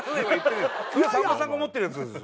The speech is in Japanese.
それさんまさんが思ってるやつです。